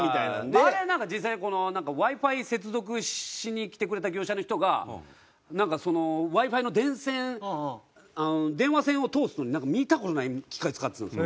あれはなんか実際にこのＷｉ−Ｆｉ接続しにきてくれた業者の人がなんかそのＷｉ−Ｆｉの電線電話線を通すのになんか見た事ない機械使ってたんですよ。